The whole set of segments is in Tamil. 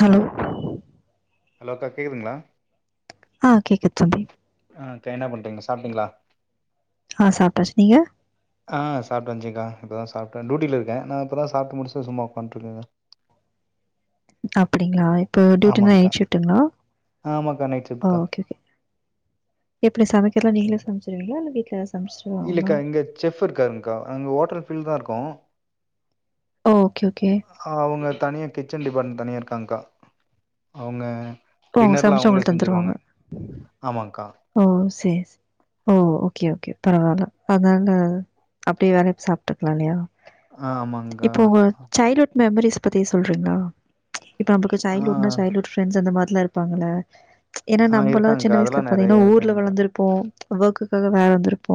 ஹலோ அலோ அக்கா கேக்குதுங்ளா ஆ கேக்குத் தம்பி ஆ அக்கா என்ன பண்றீங்க சாப்ட்டீங்ளா ஆ சாப்ட்டாச்சு நீங்க ஆ சாப்ட்டான்சுக்கா இப்ப தா சாப்ட்டே டூட்டில இருக்கே நா இப்பதா சாப்ட்டு முடிச்சு சும்மா ஒக்காந்ட்ருக்கேக்கா அப்டிங்ளா இப்போ ட்யூட்டி ஆமாங்க்கா நைட் ஷிஃப்ட்டுங்ளா ஆமாக்கா நைட் ஆ ஷிஃப்ட்க்கா ஓகே ஓகே எப்பிடி சமைக்கிறத்லா நீங்ளே சமச்சிருவீங்ளா இல்ல வீட்ல சமைச்சிருவாங்களா இல்லக்கா இங்க செஃப் இருக்காருங்க்கா அங்க ஹோட்டல் ஃபீல் தா இருக்கோ ஓ ஓகே ஓகே அவுங்க தனியா கிச்சன் டிபார்ட்மெண்ட் தனியா இருக்காங்க்கா அவுங்க ஓ அவங்க டின்னர்லா சமைச்சு அவுங்களே உங்களுக்கு செஞ்சிருவாங்க தந்துருவாங்க ஆமாங்க்கா ஓ சேர் சே ஓ ஓகே ஓகே பரவால்ல அதுனால அப்டியே வேல சாப்ட்டுக்லா இல்லயா ஆ ஆமாங்க்கா இப்போ உங்க சைல்ட்ஹுட் மெமரிஸ் பத்தி சொல்றீங்ளா இப்ப நமக்கு ஆ சைல்ட்ஹுட்னா சைல்டுஹுட் ஃப்ரெண்ட்ஸ் அந்த மாரிலா இருப்பாங்கல்ல ஏனா ஆ நம்பல்லா இருக்காங்க்கா சின்ன அதெல்லா வய்சுல பாத்தீங்கனா நெறைய ஊர்ல இருக்காங்க்கா வளந்துரு ப்போ ஒர்க்குகாக வேற வந்திருப்போ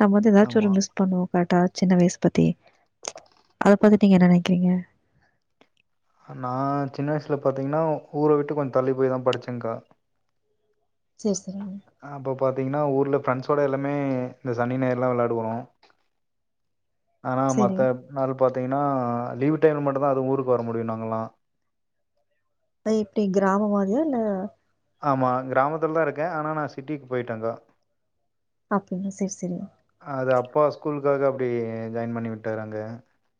நம்ம வந்து எதாச்சு ஒரு ஆமா மிஸ் பண்ணுவோ கரட்டா சின்ன வய்ஸ் பத்தி அத பத்தி நீங்க என்ன நெனைக்கறீங்க நா சின்ன வய்சுல பாத்தீங்கனா ஊர விட்டு கொஞ் தள்ளி போய் தா படிச்சேங்க்கா சேர் செரி அ அப்ப பாத்தீங்கனா ஊர்ல ஃப்ரெண்ட்ஸோட எல்லாமே இந்த சனி, ஞாய்றுலா வெளாடுவோ ஆனா சரி. மத்த நாள் பாத்தீங்கனா லீவ் டைம்ல மட்டுந்தா அது ஊருக்கு வர முடியு நாங்கல்லா அது எப்டி கிராமம் மாரியா இல்ல ஆமா கிராமத்துல் தா இருக்கே ஆனா நா சிட்டிக் போய்ட்டேங்க்கா அப்டிங்ளா சேர் செரி அது அப்பா ஸ்கூலுக்காக அப்டி ஜாயின் பண்ணி விட்டாரு அங்க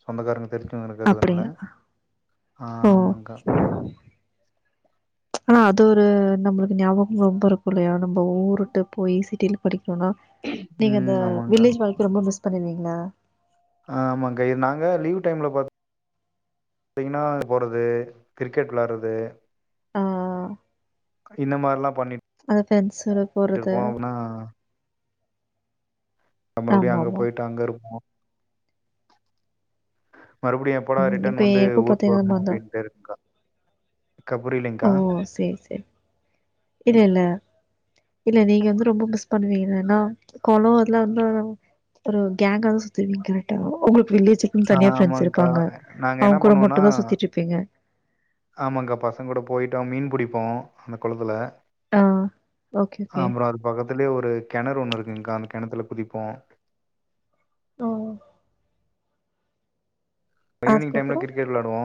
சொந்தக்காரங்க தெரி் டு இருக்கிறதுனால அப்படியா? ஓ! ஆமாங்கா ஆனா அது ஒரு நம்ளுக்கு ஞாபகம் ரொம்ப இருக்கு இல்லையா நம்ம ஊருட்டு போய் சிட்டிலப் படிக்கோனா நீங்க ம். அந்த ஆமாங்க்கா. வில்லேஜ் வாழ்க்கை ரொம்ப மிஸ் பண்ணிருந்தீங்ளா ஆ ஆமாங்கா இர் நாங்க லீவு டைம்ல பாத் தீங்னா போறது கிரிக்கெட் விளார்றது ஆ இந்த மார்லாப் அந்த ஃப்ரெண்ட்ஸோட போறது. பண்ணிட்டுருப்போ அபுனா அ மறுபுடியு அங்கப் ஆமாமா. போயிட்டு அங்க இருப்போ மறுபுடியு எப் போடா இப்ப ரிட்டன் வந்து எனக்கும் ஊர்க்கு பார்த்தீங்கன்னா, வர்ணு நம்ம அந்த அப்டின்ட்டு இருக்குங்கா ஓ சேரி செர் இல்ல இல்ல இல்ல நீங்க வந்து ரொம்ப மிஸ் பண்ணுவீங்கிகேனா கொளோ அதெலா வந்து ரொ ஒரு கேங்காதா சுத்துவீங்கிங் கரெக்ட்டா உங்ளுக்கு வில்லேஜில் உங் ஆ தனியா ஃப்ரெண்ட்ஸ் ஆமாங்க்கா இருப்பாங்க நாங்க என்ன அவுங் கூட மட்டுந்தா சுத்திட்ருப்பீங்க ஆமாங்கா பசங்க கூட போயிட்டோ மீன் புடிப்போ அந்த கொளத்துல ஆ ஓகே ஓகே பக்கத்துலியே ஒரு கெணறு ஒன்னு இருக்குங்க்கா அந்தக் கெணத்துல குதிப்போ ஓ இப்ப ஈவ்னிங் டைம்ல அதுக்கப்புறோ கிரிக்கெட் விளாடுவோ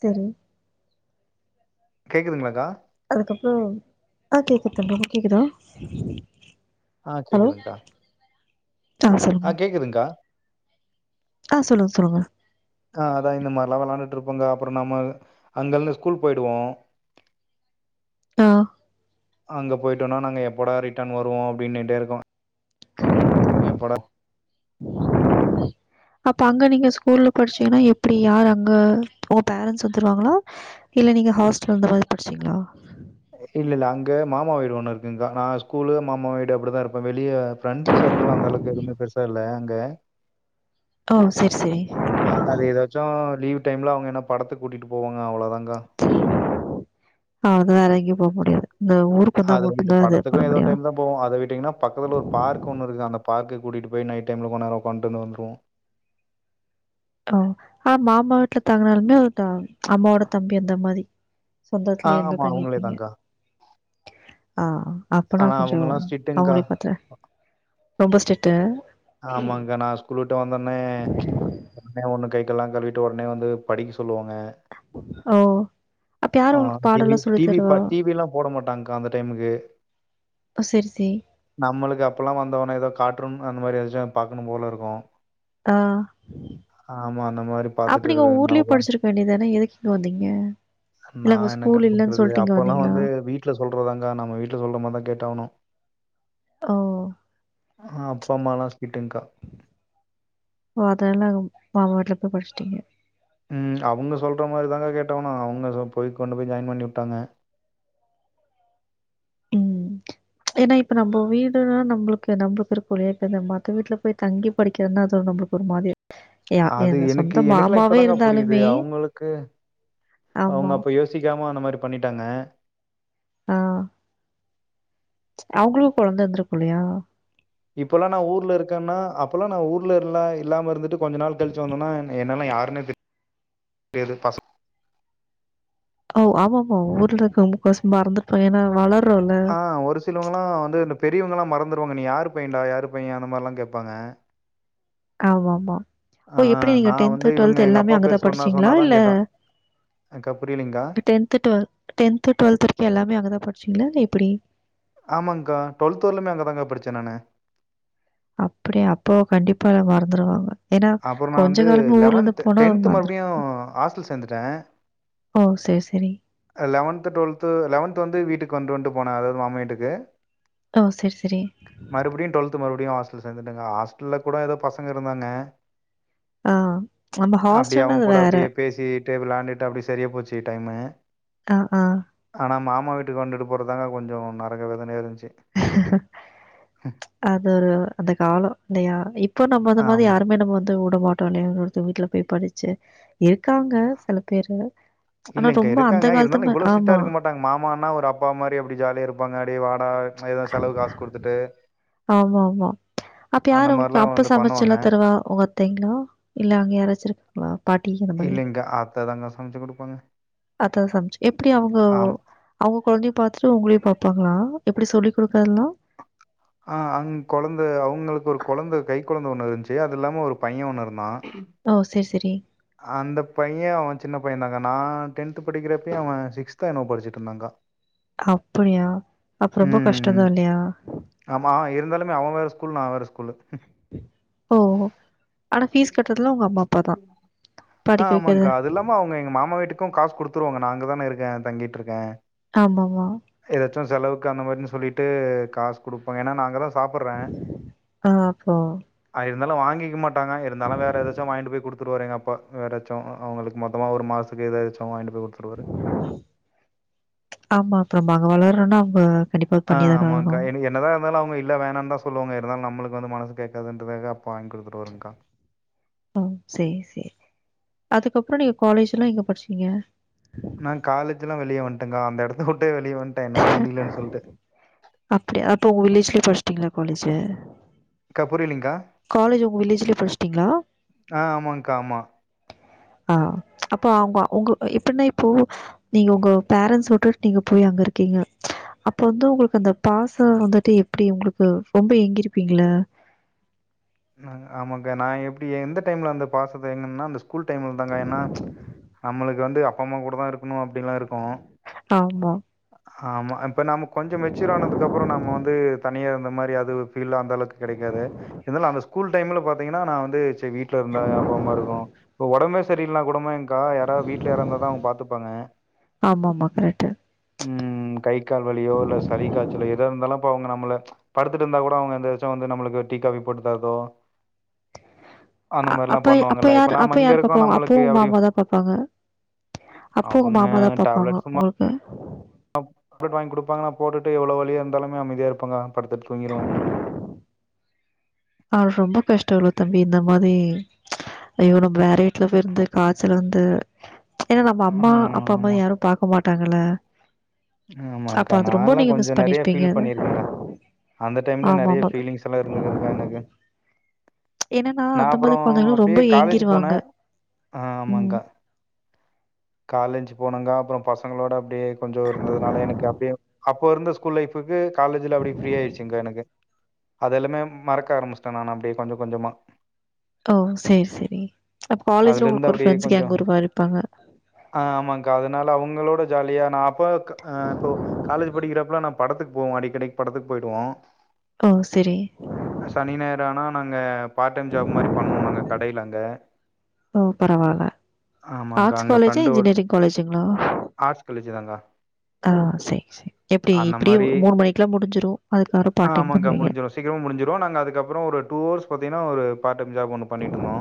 செரி கேக்கதுங்ளாக்கா அதுக்கப்றோ ஆ கேக்குத் தம்பி உனக் கேக்குதா ஆ ஹலோ கேக்குதுங்க்கா ஆ கேக்குதுங்க்கா ஆ சொல்லுங்க சொல்லுங்க ஆ அதா இந்த மார்லா வெளாண்டுட்ருப்பங்கா அப்பறோ நம்ம அங்கள்னு ஸ்கூல் போயிடுவோ ஆ அங்க போய்ட்டோனா நாங்க எப்போடா ரிட்டன் வருவோ அப்டினுட்டேருகு எப்போடா அப்ப அங்க நீங்க ஸ்கூல்ல படிச்சீங்கினா எப்பிடி யாரு அங்க ஓ பேரன்ட்ஸ் வந்துருவாங்களா இல்ல நீங்க ஹாஸ்டல் அந்த மாதிரி படிச்சிங்ளா இல்ல இல்ல அங்க மாமா வீடு ஒன்னு இருக்குங்கா நா ஸ்கூலு மாமா வீடு அப்டிதா இருப்பே வெளிய ஃப்ரெண்ட்ஸு சர்க்கிள்லா அந்தளவுக்கு எதுவுமே பெருசா இல்ல அங்க ஓ செரி செரி ஆ அது எதாச்சோ லீவு டைம்ல அவுங்க என்னப் படத்துக் கூட்டிட்டு போவாங்க அவ்ளோதாங்கா அவுளதா வேற எங்கியும் போமுடியாது இந்த ஊருக் அத விட்டுப் படத்துக்கு எதோ ஒரு டைம்தா போவோ அத விட்டீங்கினாப் பக்கத்துல ஒருப் பார்க்கு ஒன்னு இருகுது அந்தப் பார்க்குக் கூட்டிட்டு போயி நைட் டைம்ல கொண் நேரோ உக்கான்ட்டுந்து வந்துருவோ ஓ ஆ மாமா வீட்ல தாங்கனாலுமே [unintelligible] அம்மாவோடத் தம்பி அந்த மாரி ஆ சொந்தத்லியேந்தா ஆமா, அவங்களே தங்கிர்ப்பீங்க தான்க்கா. ஆ அப்பனா ஆனா கொஞ்சோ அவங்கலாம் ஸ்ட்ரிக்ட்டுங்க்கா. அவுங்குளியும் பத்ரே ரொம்ப ஸ்ட்ரிட்டு ஆமாங்கா நா ஸ்கூல் விட்டு வந்தவொன்னே ஒடனே ஒன்னு கைக் கால்லா கழுவிட்டு ஒடனே வந்து படிக்க சொல்லுவாங்க ஓ அப்ப யாரு ஆ உங்களுக்கு டி வி பாடல்லா சொல்லி டி வி இப்ப தருவா டி வியிலாம் போட மாட்டாங்க்கா அந்த டைமுகு ஒ செரி செயி நம்மளுக்கு அப்பலா வந்தவொனேதாக் காற்றூன் அந்த மாரி எதாச்சம் பாக்குணும் போல இருகு ஆ ஆமா அந்த மாரி பாத்துட்ருக்க அதுனாலத இருக்க வேண்டியதானா எதுக்கு இங்க வந்தீங்க நா இல்ல அங்க என்னக்கா ஸ்கூல் இல்லன்னு பண்றது சொல்லிட்டு இங்க அப்பல்லா வந்தீங்களா வந்து வீட்ல சொல்றதாங்கா நம்ம வீட்ல சொல்ற மாரிதா கேட் ஆவனு ஓ அப்பா அம்மால்லா ஸ்ட்ரிட்டுங்க்கா ஓ அதெல்ல மாமா வீட்ல போய் புடிச்ட்டீங்க ம் அவுங்க சொல்ற மாரிதாக்கா கேட்டாவ்னு அவுங்க போய்க் கொண்டு போய் ஜாயின் பண்ணி வுட்டாங்க ஏனா இப்ப நம்ம வீடுனா நம்ளுக்கு நம்ளுக்கு இருக்கு இல்லியா இப்போ இந்த மத்தவங்க வீட்ல போய் தங்கி படிக்கிறதுனா அது நம்ளுக்கு ஒரு மாதிரி யா அது எங்க எனக்கு சொந்த எனக்குல்லா மாமாவே இப்பதாக்க புரியுது இருந்தாலுமே அவுங்களுக்கு ஆமா. அவுங்க அப்ப யோசிக்காம அந்த மாரி பண்ணிட்டாங்க ஆ அவங்ளு கொழந்த இருந்ருக்கு இல்லயா இப்பெல்லா நா ஊர்ல இருக்கேனா அப்பெல்லா நா ஊர்ல இல்ல இல்லாம இருந்துட்டு கொஞ்ச நாள் கழிச்சு வந்தேனா என்னலா யாருன்னே தெ தெரியாது பசங் ஓ ஆமா ஆமா ஊர்ல இருக்கவங்க முக்காவாசி பேரு மறந்துருப்பாங்க ஏனா வளர் ஆ ஒரு சிலவங்கலா வந்து பெரியவங்க எல்லா மறந்துருவாங்க நீ யாரு பையன்டா யாரு பைய அந்த மாரில்லா கேப்பாங்க ஆமா ஆமா ஆ ஓ எப்டி நீங்க நான் வந்து டென்து இவங்க டுவெல்த் எங்க எல்லாமே அப்பா அங்கதா பேர் சொன்னா படிச்சீங்ளா சொன்னா தான் இல்ல கேட்டோம். அக்கா புரியலிங்க்கா டென்த்து டுவெல் டென்து டுவெல்து வரைக்கு எல்லாமே அங்கதா படிச்சிங்ளா எப்டி ஆமாங்க்கா டுவெல்த் வரலிமே அங்க தாகா படிச்சே நானு அப்டியா அப்போ கண்டிப்பா எல்லா மறந்துருவாங்க ஏனா அப்புறம் நான் கொஞ்ச வந்து காலமே ஊர்ல இருந்து போனா மறுபடியும் மறந்துருவாங்க ஹாஸ்டல் சேர்ந்துட்டேன். ஓ சேர் சேரி லெவன்த்து டுவல்த்து லெவன்த்து வந்து வீட்டுக்கு வன்டு வன்டு போனே அதாவ்து மாமா வீட்டுக்கு ஓ சேர் செரி மறுப்டியு டுவெல்து மறுப்டியு ஹாஸ்டல் சேந்துட்டேங்க்கா ஹாஸ்டல கூட ஏதோ பசங்க இருந்தாங்க ஆ ஆமா ஹாஸ்டல்னா அது வேற அப்டே வெளாண்டுட்டு அப்டியே சரியா போச்சு டைமு அ அ ஆனா மாமா வீட்டுக்கு வந்துட்டு போரதுதாங்க கொஞ்சோ நறக வேதனையா இருந்துச்சு அது ஒரு அந்த காலோ இல்லையா இப்போ நம்ம அந்த மாரி ஆம். யாருமே நம்ம வந்து விடமாட்டோ [unintelligible] வீட்டுல போய் படிச்சு இருக்காங்க சில பேரு ஆனா ரொம்ப அந்த காலத்து மா ஆமா [unintelligible] மாமானா அப்பா மாரி அப்டி ஜாலியா இருப்பாங்க டே வாடா ஏதாது செலவு காஸ் குடுத்துட்டு ஆமா ஆமா அப்ப யாரு அந்த உங்ளுக்கு மாரிலாம் அப்ப வந்து பண்ணுவாங்க. சமைச்சுலா தருவா உங்க அத்தைங்ளா இல்ல அங்க யாராச்சு இருக்காங் இல்லிக்கா அத்த தாங்க சமைச்சு குடுப்பாங்க அத்த தா சமைச்சு எப்டி அவுங்கோ ஆமா அவுங்க கொழந்தையு பாத்துட்டு உங்ளையு பாப்பாங்ளா எப்பிடி சொல்லி குடுக்றதுல்லா அ அங் கொழந்த அவுங்களுக்கு ஒரு கொழந்த கை கொழந்த ஒண்ணு இருந்துச்சு அது இல்லாம ஒரு பைய ஒண்ணு இருந்தா ஓ சேர் சேரி அந்த பைய அவ சின்ன பையந்தாங்கா நா டென்த்து படிக்கிறப்பையே அவ சிக்ஸ்தோ என்னவோ படிச்சிட்ருந்தாக்கா அப்பிடியா அப்ப ரொம்ப ம் கஷ்டோந்தா இல்லயா ஆமா இருந்தாலுமே அவ வேற ஸ்கூலு நா வேற ஸ்கூலு ஓஹோ ஆனா தப்பு ஃபீஸ் தப்பு கட்றதுலா உங்க அம்மா அப்பா தா தப்பு ஆ ஆமாங்க்கா அது இல்லாம அவ்ங்க எங்க மாமா வீட்டுக்கு காசு குடுத்துருவாங்க நா அங்க தானே இருக்கே தங்கிட்ருக்கே ஆமாவா எதாச்சு செலவுக்கு அந்த மாரினு சொல்லிட்டு காசு குடுப்போ ஏனா நா அங்கதா சாப்புட்றே ஆ அப்போ அ இருந்தாலு வாங்கிக்க மாட்டாங்க இருந்தாலு வேற எதாச்சு வாங்கிட்டு போய் குடுத்துருவாரு எங்க அப் பா வேறாச்சு அவுங்களுக்கு மொத்தமா ஒரு மாசத்துக்கு எதாச்சு வாங்கிடாடு போய் குடுத்து ஆமா அப்றோ நம்ம அங்க வளர்றோனா அவ்ங்க கண்டிப்பா பண்ணிதானே ஆகணு என்னதா இருந்தாலு அவ்ங்க இல்ல வேணான் தா சொல்லுவாங்க இருந்தாலு நம்மளுக்கு வந்து மனசு கேக்காதுன்ட்டுதாக்கா அப்பா வாங்கி குடுத்துட்டு வருங்க்கா ஓ சேரி சேரி அதுக்கப்றோ நீங்க காலேஜுலா எங்க படிச்சீங்க நா காலேஜுலா வெளிய வந்ட்டேங்க்கா அந்த எடத்த விட்டே வெளிய வந் அப்யாடி அப்போ உங்க வில்லேஜ்லே படிச்சிட்டீங்ளா காலேஜு அக்கா புரியலைங்க்கா காலேஜ் உங்க வில்லேஜ்லே படிச்ட்டீங்களா ஆ ஆமாங்க்கா, ஆமா. ஆ அப்போ அவ்ங்க உங்க எ எப்பிட்னா இப்போ உங்க பேரண்ட்ஸ் விட்டுட்டு நீங்க போய் அங்க இருக்கீங்க அப்ப வந்து உங்களுக்கு அந்த பாச வந்துட்டு எப்டி உங்களுக்கு ரொம்ப ஏங்கிருப்பீங்கள நாங் ஆமாக்கா நா எப்டி எந்த டைம்ல அந்த பாசத்த ஏங்குனம்னா அந்த ஸ்கூல் டைம்ல இருந்தாக்கா ஏனா நம்மளுக்கு வந்து அப்பா அம்மா கூட தா இருக்கணு அப்டின்லா இருக்கு ஆமா ஆ ஆமா இப்ப நம்ம கொஞ்ச மெச்சூர் ஆனதுக்கப்றோ நம்ம வந்து தனியாக இருந்த மாரி அது ஃபீலா அந்தளவுக்கு கெடைக்காது இருந்தாலு அந்த ஸ் கூல் டைம்ல பாத்தீங்கனா நா வந்து சேர் வீட்ல இருந்தா அப்பாம்மா இருக்கு இப்ப ஒடம்பே செரியில்லனா கூடமா க்கா யாராவ்து வீட்ல இருந்தாதா அவ்ங்க பாத்துப்பாங்க ஆமாமா. கரெக்ட்டு. ம் கை கால் வலியோ இல்ல சளி காய்ச்சலோ எதா இருந்தாலு அப்ப அவ்ங்க நம்மள படுத்துட்டு இருந்தா கூட அவ்ங்க எந்துருச்சு வந்து நம்மளுக்கு டீ காபி போட்டு தரதோ அந்த அ மாரிலா அப்பய் அப்ப பண்ணுவாங்கல்ல. இப்ப யாரு அப்ப நாம இங்க யாரு இருக்கோ பாப்பா ஒங்க நம்மளுக்கு அப்பாவு அப்டி மாமா தா பாப்பாங்க அப்ப உங்க அவங்க மாமா தா பாப்பாங்க உங்களுக்கு டாப்லட் வாங்கி குடுப்பாங்க நா போட்டுட்டு எவ்ளோ வலிய இருந்தாலுமே அமைதியா இருப்பங்க படுத்துட்டு தூங்கிருவே அது ரொம்ப கஷ்டோல தம்பி இந்த மாரி ஐயோ நம்ம வேற வீட்ல போய் இருந்து காய்ச்சல் வந்து ஏனா நம்ம ம் அம்மா அப்பாம்மா ஆமா. யாரு பாக்க மாட்டாங்கள ம் ஆமாங்க்கா நால்லா கொஞ்ச நெறைய பண்ணியிருப்பீங்க ஃபீல் அதை பண்ணிருக்கேங்க்கா அந்த டைம்ல ஆமா நெறைய ஆமா ஃபீலிங்ஸ் லா இருந்துக்குதுக்கா எனக்கு ஏன்னா நா அந்த அப்றோ மாதிரி குழந்தைங்களும் அப்டியே ரொம்ப காலேஜு போனே ஏங்கிடுவாங்க ம் ஆமாங்க்கா காலேஞ்சு போனேங்க்கா அப்பறோ பசங்களோட அப்டியே கொஞ்ச இருந்ததுனால எனக்கு அப்டியே அப் இப்ப இருந்த ஸ்கூல் லைஃபுக்கு காலேஜுல அப்டியே ஃப்ரீயாயிடுச்சுங்க்கா எனக்கு அத எல்லாமே மறக்க ஆரமிச்சுட்டே நானு அப்டியே கொஞ்ச கொஞ்சமா ஓ சேரி சேரி அப்ப காலேஜுல அதுலருந்து உங்களுக்கு ஒரு அப்டியே ஃப்ரெண்ட்ஸு கொஞ்சோ கேங்க் ஊருவாயிருப்பாங்க ஆ ஆமாங்க்கா அதனால அவுங்களோட ஜாலியா நா அப்பக் ஆ இப்போ காலேஜ் படிக்கிறப்பலா நா படத்துக்கு போவோ அடிக்கடிக்கு படத்துக்கு போயிடுவோ ஓ சேரி சனி ஞாயிறானா நாங்க பார்ட் டைம் ஜாப் மாரி பண்ணுவோ நாங்க கடைல அங்க ஓ பரவால்ல ஆமாங்க்கா ஆட்ஸ் அங்க காலேஜா ஃப்ரெண்டு இஜ்ஜினியரிங் காலேஜுங்ளா அதா அ சரி சரி எப்டி இப்டியே மாரி மூணு மணிக்கெல்லா முடிஞ்சிரு அதுக்கப்ரொ ஆ பாட் டைம் ஆமாங்க்கா பண்ணுவீங்க முடிஞ்சிரு சீக்கிரமா முடிஞ்சுரு நாங்க அதுகப்றொ ஒரு டூ அவர்ஸ் பாத்தீங்னா ஒரு பார்ட் டைம் ஜாப் ஒன்னு பண்ணிட்ருந்தோ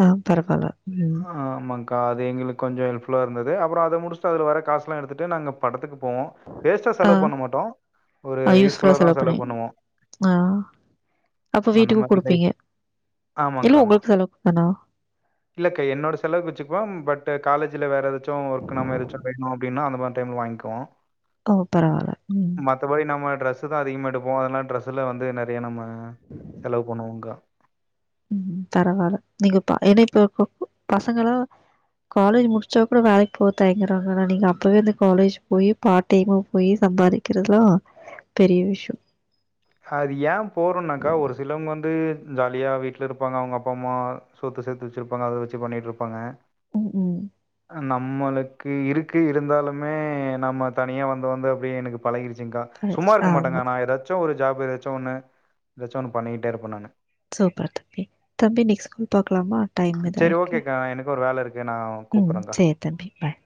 ஆ பரவாயில்ல ம் ஆமாங் அது எங்களுக்கு கொஞ்ச ஹெல்ஃபுல்ல இருந்தது அப்றொ அத முடிச்சு அதில் வர காசெல்லா எடுத்துட்டு நாங்க படத்துக்கு போவோ வேஸ்ட்டா ஆ செலவ் பண்ண மாட்டோ ஒரு அ யூஸ்ஃபுல்லா தா செலவ் செலவு பண்ணுவீங் பண்ணுவோ ஆ அப்பொ அந்த வீட்டுக்கு மாரி லைஃப் குடுப்பீங்க இல்ல உங்ளுக் செலவுக்தானா இல்லக்க என்னோட செலவு வச்சுக்குவொ பட் காலேஜ்ல வேற எதாச்சு ஒர்க் நம்ம ஏதாச்சு வேணு அப்டினா அந்தமாரி டைம் வாய்ங்குவோ ஓ பரவால்ல ம் மத்தபடி நம்ம டிரெஸ்ஸுதா அதிகமா எடுப்போ அதனால டிரெஸ்ஸெல்லா வந்து நெறைய நம்ம செலவு பண்ணுவோங்கா உம் பரவால நீங்கப்ப ஏன்னா இப்பொ பசங்களா காலேஜ் முடிச்சப்றோ வேலக்கி போக தயங்குறாங்க ஆனா நீங்க அப்பவே வந்து காலேஜ் போய் பார்ட் டைமா போய் சம்பாரி கிறதலா பெரிய விஷ்யொ அது ஏ போறனாக்கா ஒரு சிலவங்க வந்து ஜாலியா வீட்ல ருப்பாங்க அவங்க அப்பா அம்மா சொத்து சேத்து வச்சிருப்பாங்க அத வச்சி பண்ணிட்ருப்பாங்க ம் உம் நம்மளுக்கு இருக்கு இருந்தாலுமே நம்ம தனியா வந்து வந்து அப்டியே எனக்கு பழகிடுச்சுங்கா சும்மா கரெக்ட். ஆ இருக்க மாட்டேங்கா நா ஏதாச்சு ஒரு ஜாப் ஏதாச்சு ஒண்ணு ஏதாச்சு பண்ணிட்டே இருப்ப நானு சூப்பர் தம்பி தம்பி நெக்ஸ்ட் கால் பாக்லாமா சரி ஓகேக்கா எனக்கு ஒரு வேல ருக்கு நா ம். கூப்பறெங்க்கா சரி தம்பி பாய்